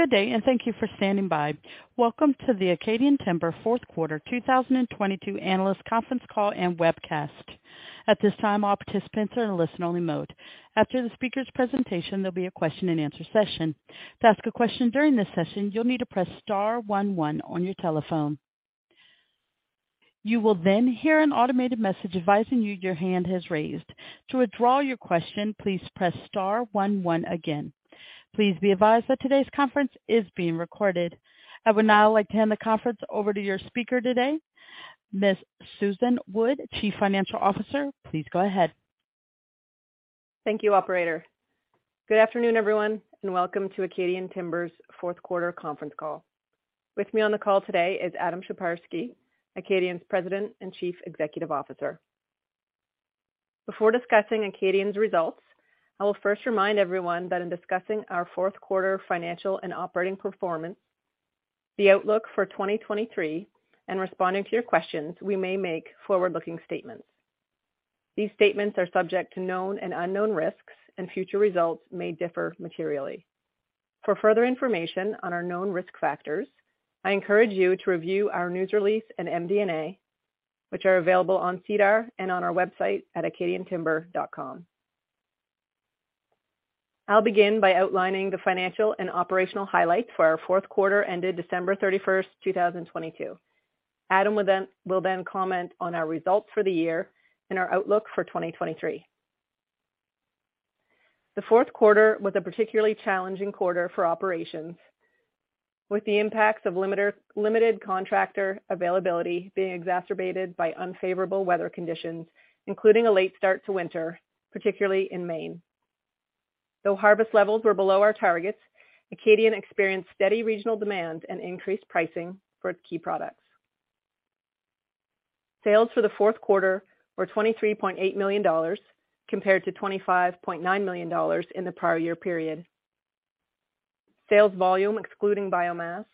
Good day. Thank you for standing by. Welcome to the Acadian Timber Fourth Quarter 2022 analyst conference call and webcast. At this time, all participants are in listen-only mode. After the speaker's presentation, there'll be a question-and-answer session. To ask a question during this session, you'll need to press star one one on your telephone. You will hear an automated message advising you your hand is raised. To withdraw your question, please press star one one again. Please be advised that today's conference is being recorded. I would now like to hand the conference over to your speaker today, Ms. Susan Wood, Chief Financial Officer. Please go ahead. Thank you, operator. Good afternoon, everyone, and welcome to Acadian Timber's 4th quarter conference call. With me on the call today is Adam Sheparski, Acadian's President and Chief Executive Officer. Before discussing Acadian's results, I will first remind everyone that in discussing our 4th quarter financial and operating performance, the outlook for 2023, and responding to your questions, we may make forward-looking statements. These statements are subject to known and unknown risks, future results may differ materially. For further information on our known risk factors, I encourage you to review our news release and MD&A, which are available on SEDAR and on our website at acadiantimber.com. I'll begin by outlining the financial and operational highlights for our 4th quarter ended December 31st, 2022. Adam will then comment on our results for the year and our outlook for 2023. The fourth quarter was a particularly challenging quarter for operations, with the impacts of limited contractor availability being exacerbated by unfavorable weather conditions, including a late start to winter, particularly in Maine. Harvest levels were below our targets, Acadian experienced steady regional demand and increased pricing for its key products. Sales for the fourth quarter were 23.8 million dollars compared to 25.9 million dollars in the prior year period. Sales volume, excluding biomass,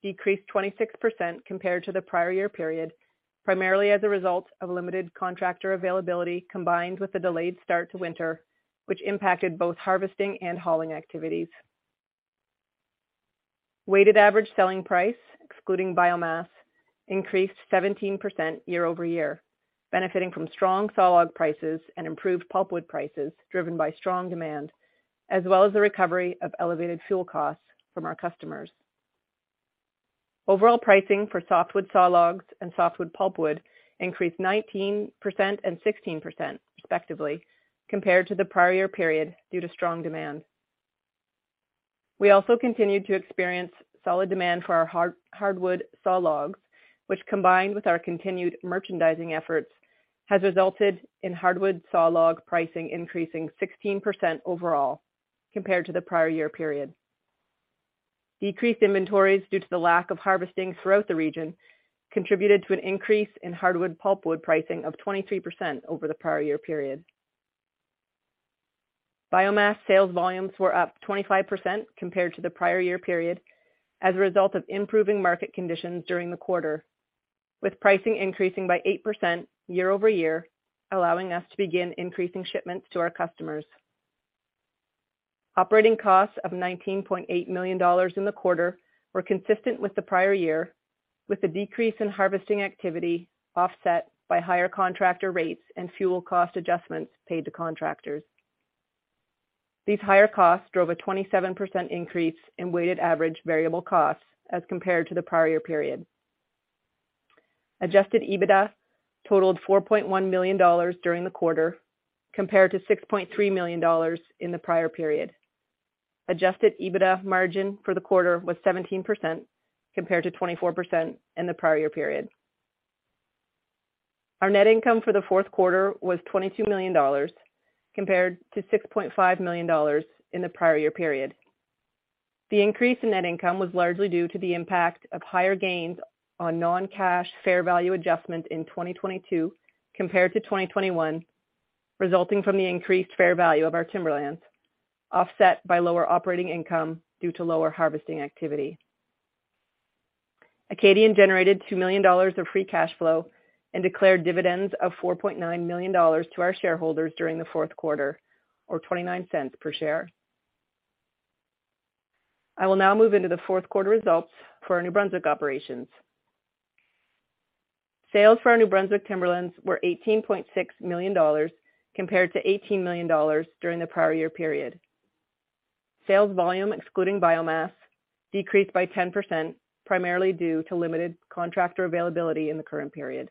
decreased 26% compared to the prior year period, primarily as a result of limited contractor availability combined with the delayed start to winter, which impacted both harvesting and hauling activities. Weighted average selling price, excluding biomass, increased 17% year-over-year, benefiting from strong sawlog prices and improved pulpwood prices driven by strong demand, as well as the recovery of elevated fuel costs from our customers. Overall pricing for softwood sawlogs and softwood pulpwood increased 19% and 16% respectively compared to the prior year period due to strong demand. We also continued to experience solid demand for our hardwood sawlogs, which combined with our continued merchandising efforts, has resulted in hardwood sawlog pricing increasing 16% overall compared to the prior year period. Decreased inventories due to the lack of harvesting throughout the region contributed to an increase in hardwood pulpwood pricing of 23% over the prior year period. Biomass sales volumes were up 25% compared to the prior year period as a result of improving market conditions during the quarter, with pricing increasing by 8% year-over-year, allowing us to begin increasing shipments to our customers. Operating costs of 19.8 million dollars in the quarter were consistent with the prior year, with the decrease in harvesting activity offset by higher contractor rates and fuel cost adjustments paid to contractors. These higher costs drove a 27% increase in weighted average variable costs as compared to the prior year period. Adjusted EBITDA totaled 4.1 million dollars during the quarter, compared to 6.3 million dollars in the prior period. Adjusted EBITDA margin for the quarter was 17% compared to 24% in the prior year period. Our net income for the fourth quarter was 22 million dollars compared to 6.5 million dollars in the prior year period. The increase in net income was largely due to the impact of higher gains on non-cash fair value adjustment in 2022 compared to 2021, resulting from the increased fair value of our timberlands, offset by lower operating income due to lower harvesting activity. Acadian generated 2 million dollars of free cash flow and declared dividends of 4.9 million dollars to our shareholders during the fourth quarter or 0.29 per share. I will now move into the fourth quarter results for our New Brunswick operations. Sales for our New Brunswick timberlands were 18.6 million dollars compared to 18 million dollars during the prior year period. Sales volume, excluding biomass, decreased by 10%, primarily due to limited contractor availability in the current period.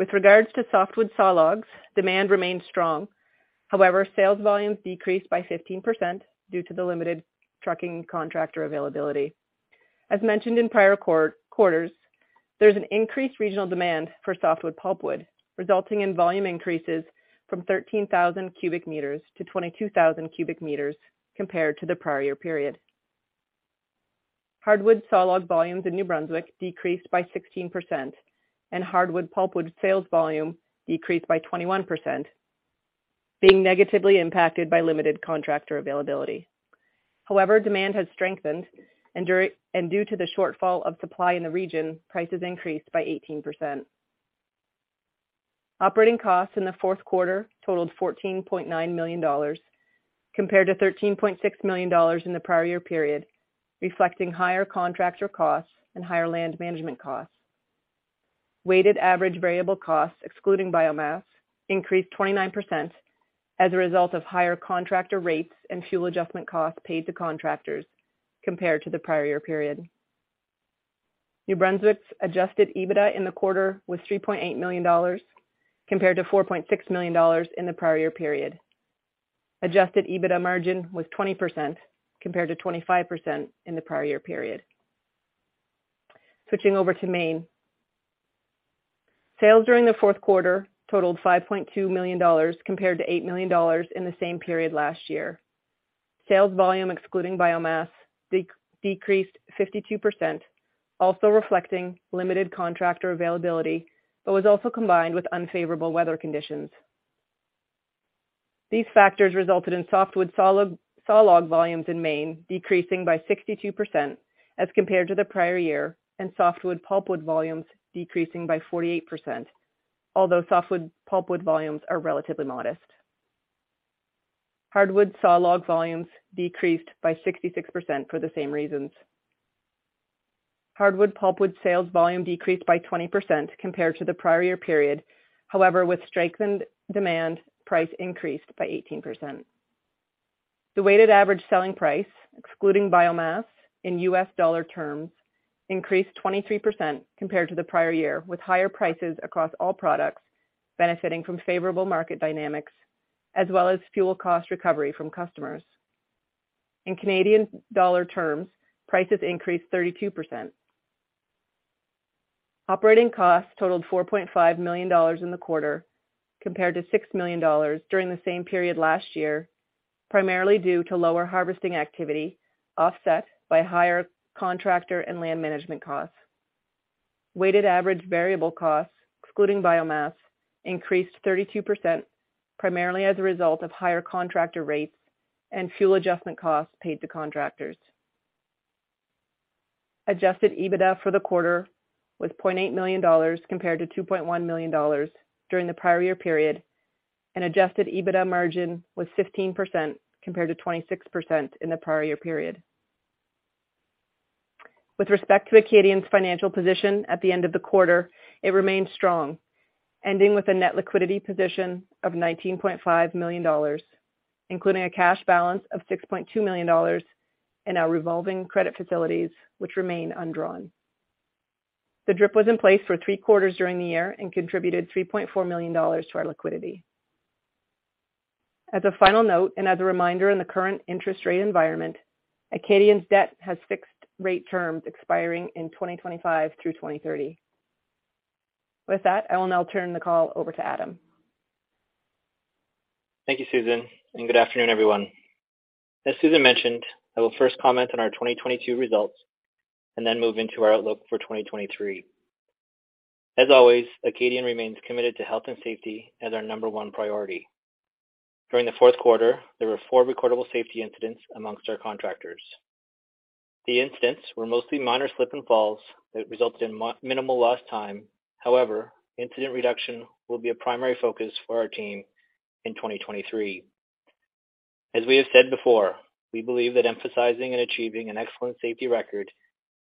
With regards to softwood sawlogs, demand remained strong. However, sales volumes decreased by 15% due to the limited trucking contractor availability. As mentioned in prior quarters, there's an increased regional demand for softwood pulpwood, resulting in volume increases from 13,000 cubic meters to 22,000 cubic meters compared to the prior year period. Hardwood sawlog volumes in New Brunswick decreased by 16%, and hardwood pulpwood sales volume decreased by 21%, being negatively impacted by limited contractor availability. However, demand has strengthened and due to the shortfall of supply in the region, prices increased by 18%. Operating costs in the fourth quarter totaled 14.9 million dollars compared to 13.6 million dollars in the prior year period, reflecting higher contractor costs and higher land management costs. Weighted average variable costs, excluding biomass, increased 29% as a result of higher contractor rates and fuel adjustment costs paid to contractors compared to the prior year period. New Brunswick's Adjusted EBITDA in the quarter was 3.8 million dollars compared to 4.6 million dollars in the prior year period. Adjusted EBITDA margin was 20% compared to 25% in the prior year period. Switching over to Maine. Sales during the fourth quarter totaled 5.2 million dollars compared to 8 million dollars in the same period last year. Sales volume, excluding biomass, decreased 52%, also reflecting limited contractor availability, but was also combined with unfavorable weather conditions. These factors resulted in softwood sawlog volumes in Maine decreasing by 62% as compared to the prior year, and softwood pulpwood volumes decreasing by 48%, although softwood pulpwood volumes are relatively modest. Hardwood sawlog volumes decreased by 66% for the same reasons. Hardwood pulpwood sales volume decreased by 20% compared to the prior year period. However, with strengthened demand, price increased by 18%. The weighted average selling price, excluding biomass in US dollar terms, increased 23% compared to the prior year, with higher prices across all products benefiting from favorable market dynamics as well as fuel cost recovery from customers. In Canadian dollar terms, prices increased 32%. Operating costs totaled $4.5 million in the quarter, compared to $6 million during the same period last year, primarily due to lower harvesting activity, offset by higher contractor and land management costs. Weighted average variable costs, excluding biomass, increased 32%, primarily as a result of higher contractor rates and fuel adjustment costs paid to contractors. Adjusted EBITDA for the quarter was 0.8 million dollars compared to 2.1 million dollars during the prior year period, and Adjusted EBITDA margin was 15% compared to 26% in the prior year period. With respect to Acadian's financial position at the end of the quarter, it remained strong, ending with a net liquidity position of 19.5 million dollars, including a cash balance of 6.2 million dollars and our revolving credit facilities, which remain undrawn. The DRIP was in place for three quarters during the year and contributed 3.4 million dollars to our liquidity. As a final note and as a reminder in the current interest rate environment, Acadian's debt has fixed rate terms expiring in 2025 through 2030. With that, I will now turn the call over to Adam. Thank you, Susan, and good afternoon, everyone. As Susan mentioned, I will first comment on our 2022 results and then move into our outlook for 2023. As always, Acadian remains committed to health and safety as our number one priority. During the fourth quarter, there were four recordable safety incidents amongst our contractors. The incidents were mostly minor slip and falls that resulted in minimal lost time. However, incident reduction will be a primary focus for our team in 2023. As we have said before, we believe that emphasizing and achieving an excellent safety record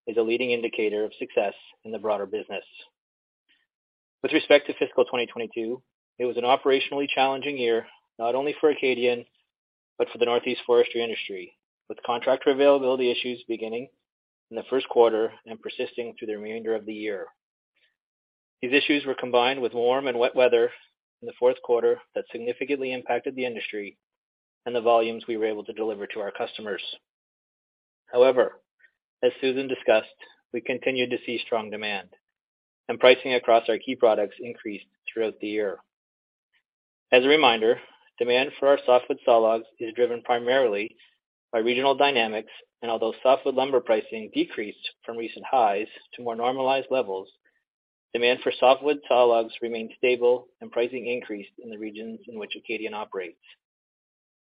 is a leading indicator of success in the broader business. With respect to fiscal 2022, it was an operationally challenging year, not only for Acadian, but for the Northeast forestry industry, with contractor availability issues beginning in the first quarter and persisting through the remainder of the year. These issues were combined with warm and wet weather in the fourth quarter that significantly impacted the industry and the volumes we were able to deliver to our customers. However, as Susan discussed, we continued to see strong demand and pricing across our key products increased throughout the year. As a reminder, demand for our softwood sawlogs is driven primarily by regional dynamics. Although softwood lumber pricing decreased from recent highs to more normalized levels, demand for softwood sawlogs remained stable and pricing increased in the regions in which Acadian operates.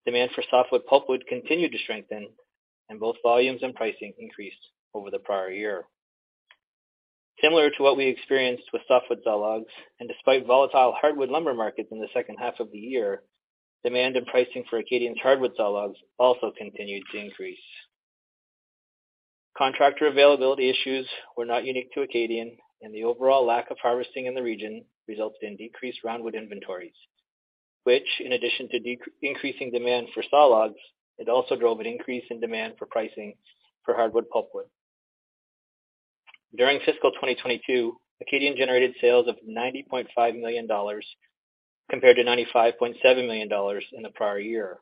Demand for softwood pulpwood continued to strengthen and both volumes and pricing increased over the prior year. Similar to what we experienced with softwood sawlogs, and despite volatile hardwood lumber markets in the second half of the year, demand and pricing for Acadian's hardwood sawlogs also continued to increase. Contractor availability issues were not unique to Acadian. The overall lack of harvesting in the region resulted in decreased roundwood inventories, which, in addition to increasing demand for sawlogs, it also drove an increase in demand for pricing for hardwood pulpwood. During fiscal 2022, Acadian generated sales of 90.5 million dollars compared to 95.7 million dollars in the prior year.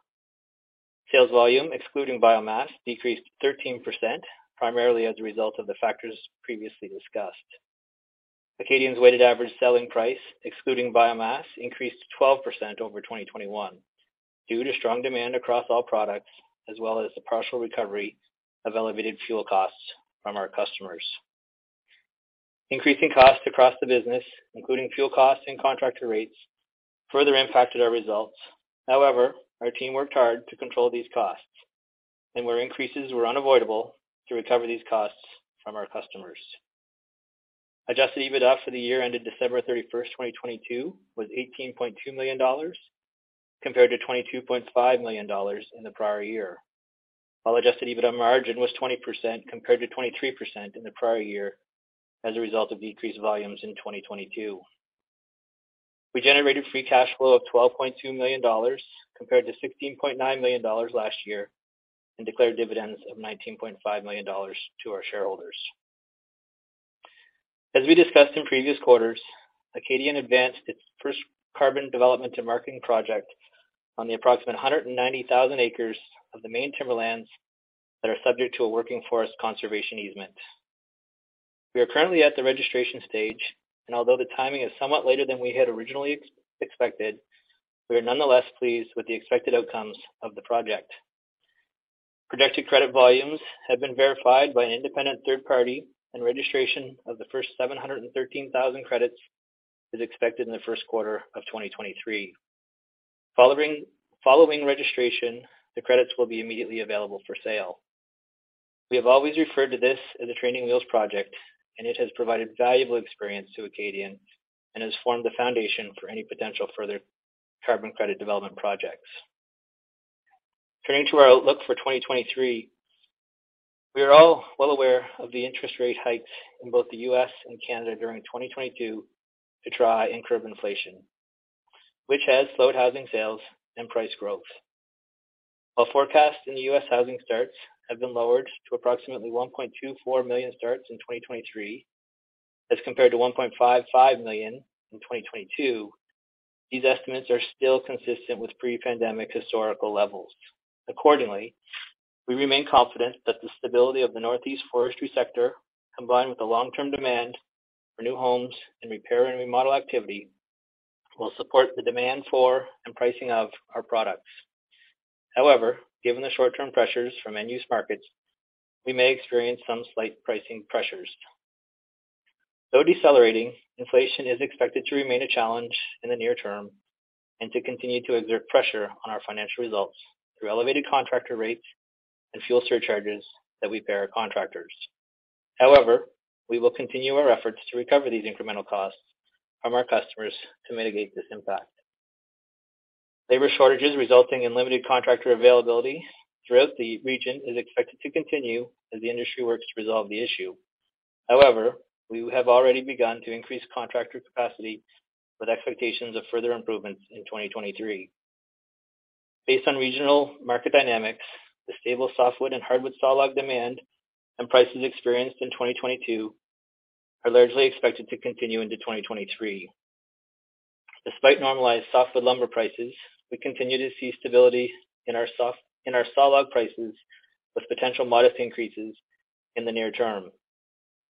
Sales volume, excluding biomass, decreased 13%, primarily as a result of the factors previously discussed. Acadian's weighted average selling price, excluding biomass, increased 12% over 2021 due to strong demand across all products as well as the partial recovery of elevated fuel costs from our customers. Increasing costs across the business, including fuel costs and contractor rates, further impacted our results. However, our team worked hard to control these costs. Where increases were unavoidable to recover these costs from our customers. Adjusted EBITDA for the year ended December 31st, 2022 was 18.2 million dollars compared to 22.5 million dollars in the prior year, while Adjusted EBITDA margin was 20% compared to 23% in the prior year as a result of decreased volumes in 2022. We generated free cash flow of 12.2 million dollars compared to 16.9 million dollars last year. Declared dividends of 19.5 million dollars to our shareholders. As we discussed in previous quarters, Acadian advanced its first carbon development and marketing project on the approximate 190,000 acres of the main timberlands that are subject to a working forest conservation easement. We are currently at the registration stage. Although the timing is somewhat later than we had originally expected, we are nonetheless pleased with the expected outcomes of the project. Projected credit volumes have been verified by an independent third party, registration of the first 713,000 credits is expected in the first quarter of 2023. Following registration, the credits will be immediately available for sale. We have always referred to this as a training wheels project, it has provided valuable experience to Acadian and has formed the foundation for any potential further carbon credit development projects. Turning to our outlook for 2023, we are all well aware of the interest rate hikes in both the U.S. and Canada during 2022 to try and curb inflation, which has slowed housing sales and price growth. While forecasts in the U.S. housing starts have been lowered to approximately 1.24 million starts in 2023 as compared to 1.55 million in 2022, these estimates are still consistent with pre-pandemic historical levels. Accordingly, we remain confident that the stability of the Northeast forestry sector, combined with the long-term demand for new homes and repair and remodel activity, will support the demand for and pricing of our products. Given the short-term pressures from end-use markets, we may experience some slight pricing pressures. Though decelerating, inflation is expected to remain a challenge in the near term and to continue to exert pressure on our financial results through elevated contractor rates and fuel surcharges that we pay our contractors. We will continue our efforts to recover these incremental costs from our customers to mitigate this impact. Labor shortages resulting in limited contractor availability throughout the region is expected to continue as the industry works to resolve the issue. We have already begun to increase contractor capacity with expectations of further improvements in 2023. Based on regional market dynamics, the stable softwood and hardwood sawlog demand and prices experienced in 2022 are largely expected to continue into 2023. Despite normalized softwood lumber prices, we continue to see stability in our sawlog prices, with potential modest increases in the near term.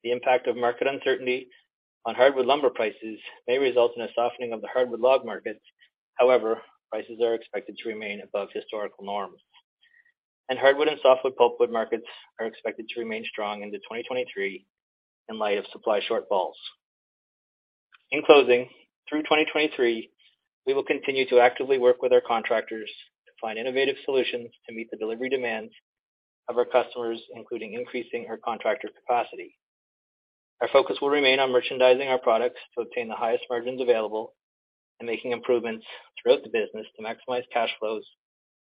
The impact of market uncertainty on hardwood lumber prices may result in a softening of the hardwood log markets. Prices are expected to remain above historical norms. Hardwood and softwood pulpwood markets are expected to remain strong into 2023 in light of supply shortfalls. In closing, through 2023, we will continue to actively work with our contractors to find innovative solutions to meet the delivery demands of our customers, including increasing our contractor capacity. Our focus will remain on merchandising our products to obtain the highest margins available and making improvements throughout the business to maximize cash flows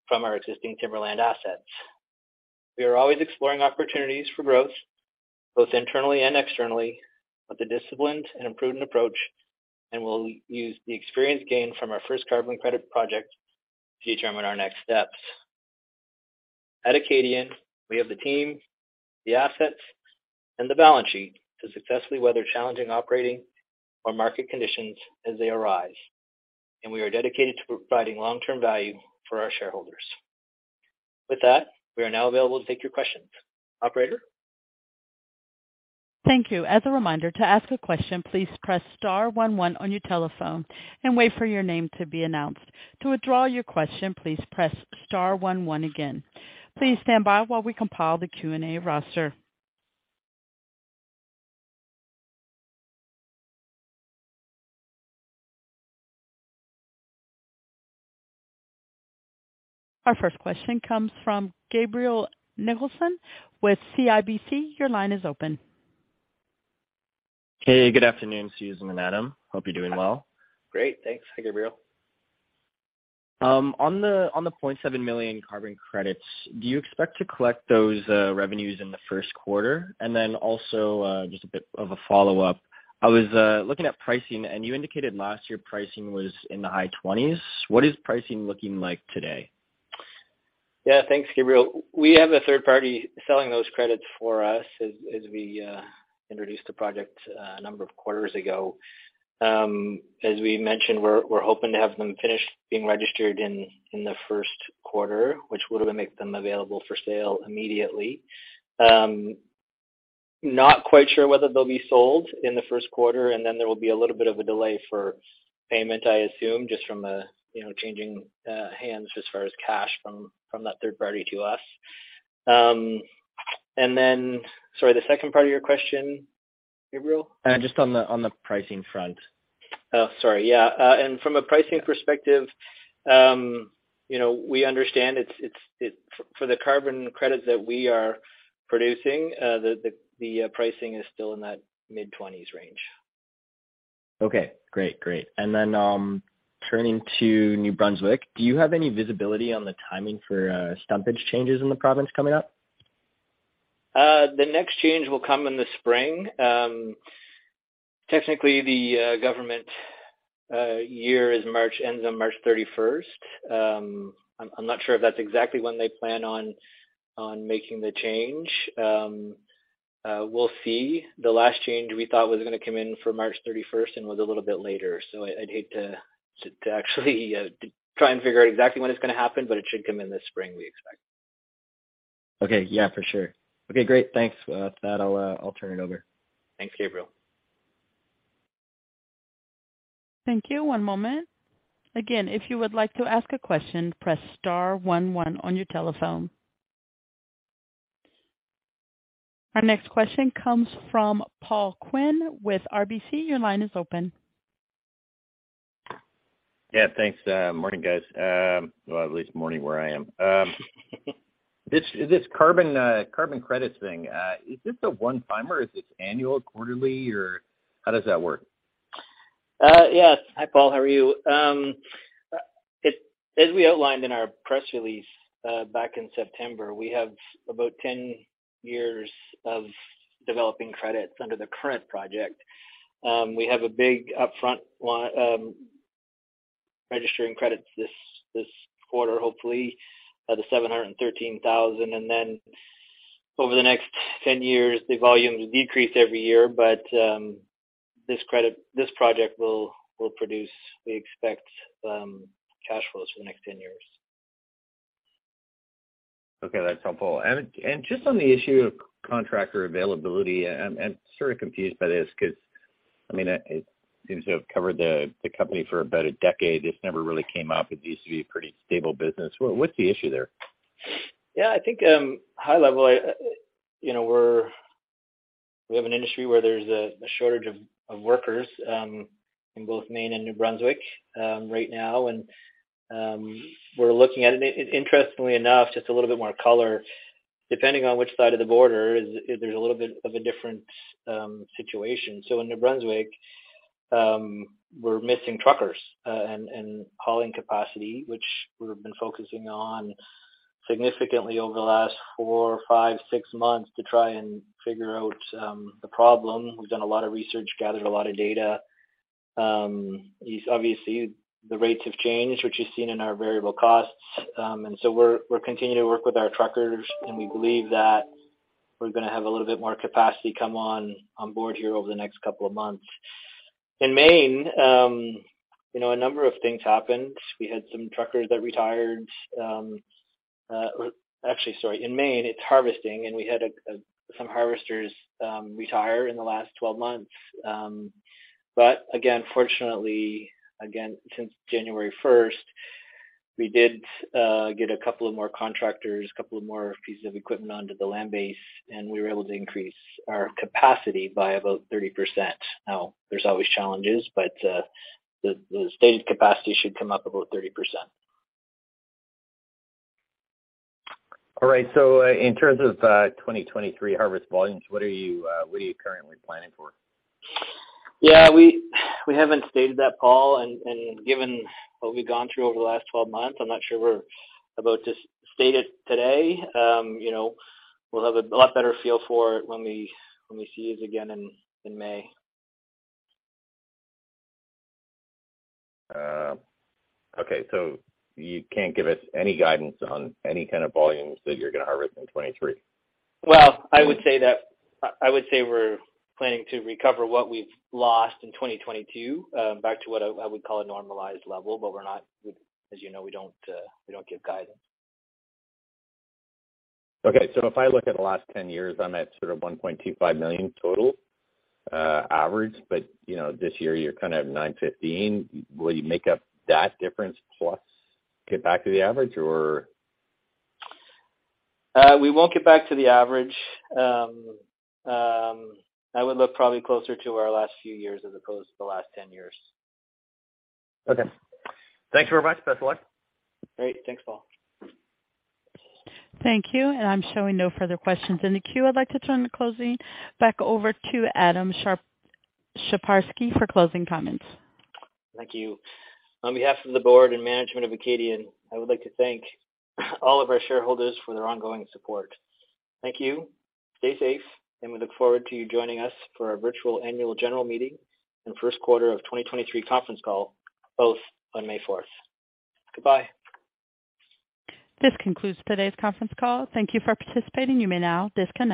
from our existing timberland assets. We are always exploring opportunities for growth, both internally and externally, with a disciplined and prudent approach, and we'll use the experience gained from our first carbon credit project to determine our next steps. At Acadian, we have the team, the assets, and the balance sheet to successfully weather challenging operating or market conditions as they arise, and we are dedicated to providing long-term value for our shareholders. With that, we are now available to take your questions. Operator? Thank you. As a reminder, to ask a question, please press star one one on your telephone and wait for your name to be announced. To withdraw your question, please press star one one again. Please stand by while we compile the Q&A roster. Our first question comes from Hamir Patel with CIBC. Your line is open. Hey, good afternoon, Susan and Adam. Hope you're doing well. Great. Thanks. Hi, Hamir. On the 0.7 million carbon credits, do you expect to collect those revenues in the first quarter? Just a bit of a follow-up. I was looking at pricing, and you indicated last year pricing was in the high twenties. What is pricing looking like today? Yeah. Thanks, Hamir. We have a third party selling those credits for us as we introduced the project a number of quarters ago. As we mentioned, we're hoping to have them finished being registered in the first quarter, which would make them available for sale immediately. Not quite sure whether they'll be sold in the first quarter, and then there will be a little bit of a delay for payment, I assume, just from, you know, changing hands as far as cash from that third party to us. Sorry, the second part of your question, Hamir? Just on the pricing front. Oh, sorry. Yeah. From a pricing perspective, you know, we understand for the carbon credits that we are producing, the pricing is still in that CAD mid-20s range. Okay, great. Turning to New Brunswick, do you have any visibility on the timing for stumpage changes in the province coming up? The next change will come in the spring. Technically the government year is March, ends on March 31st. I'm not sure if that's exactly when they plan on making the change. We'll see. The last change we thought was gonna come in for March 31st and was a little bit later. I'd hate to actually try and figure out exactly when it's gonna happen, but it should come in the spring, we expect. Okay. Yeah, for sure. Okay, great. Thanks. With that, I'll turn it over. Thanks, Hamir. Thank you. One moment. Again, if you would like to ask a question, press star one one on your telephone. Our next question comes from Paul Quinn with RBC. Your line is open. Yeah, thanks. Morning, guys. Well, at least morning where I am. This carbon credits thing, is this a one-timer? Is this annual, quarterly, or how does that work? Yes. Hi, Paul. How are you? As we outlined in our press release, back in September, we have about 10 years of developing credits under the current project. We have a big upfront one, registering credits this quarter, hopefully, the 713,000. Then over the next 10 years, the volumes decrease every year. This credit, this project will produce, we expect, cash flows for the next 10 years. Okay, that's helpful. Just on the issue of contractor availability, I'm sort of confused by this because, I mean, I seem to have covered the company for about a decade. This never really came up. It used to be a pretty stable business. What's the issue there? Yeah, I think, high level, I, you know, we have an industry where there's a shortage of workers in both Maine and New Brunswick right now. We're looking at it. Interestingly enough, just a little bit more color, depending on which side of the border is, there's a little bit of a different situation. In New Brunswick, we're missing truckers and hauling capacity, which we've been focusing on significantly over the last 4, 5, 6 months to try and figure out the problem. We've done a lot of research, gathered a lot of data. These obviously the rates have changed, which you've seen in our variable costs. We're continuing to work with our truckers, and we believe that we're gonna have a little bit more capacity come on board here over the next couple of months. In Maine, you know, a number of things happened. We had some truckers that retired. Actually, sorry. In Maine, it's harvesting, and we had some harvesters retire in the last 12 months. Fortunately, again, since January 1st, we did get a couple of more contractors, couple of more pieces of equipment onto the land base, and we were able to increase our capacity by about 30%. There's always challenges, but the state capacity should come up about 30%. All right. In terms of 2023 harvest volumes, what are you currently planning for? Yeah, we haven't stated that, Paul. Given what we've gone through over the last 12 months, I'm not sure we're about to state it today. You know, we'll have a lot better feel for it when we see you again in May. Okay. You can't give us any guidance on any kind of volumes that you're gonna harvest in 2023? I would say we're planning to recover what we've lost in 2022, back to what I would call a normalized level. We're not, as you know, we don't give guidance. Okay. If I look at the last 10 years, I'm at sort of 1.25 million total average. You know, this year you're kind of at 915. Will you make up that difference plus get back to the average or? We won't get back to the average. I would look probably closer to our last few years as opposed to the last 10 years. Okay. Thanks very much. Best of luck. Great. Thanks, Paul. Thank you. I'm showing no further questions in the queue. I'd like to turn the closing back over to Adam Sheparski for closing comments. Thank you. On behalf of the board and management of Acadian, I would like to thank all of our shareholders for their ongoing support. Thank you. Stay safe, and we look forward to you joining us for our virtual annual general meeting and first quarter of 2023 conference call, both on May 4th. Goodbye. This concludes today's conference call. Thank you for participating. You may now disconnect.